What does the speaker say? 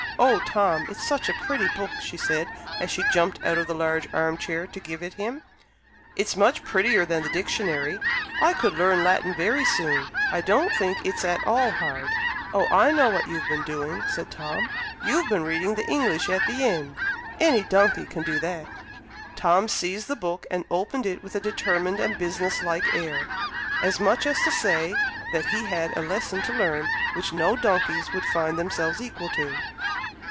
"Oh, Tom, it's such a pretty book!" she said, as she jumped out of the large arm chair to give it him; "it's much prettier than the Dictionary. I could learn Latin very soon. I don't think it's at all hard." "Oh, I know what you've been doing," said Tom; "you've been reading the English at the end. Any donkey can do that." Tom seized the book and opened it with a determined and business like air, as much as to say that he had a lesson to learn which no donkeys would find themselves equal to.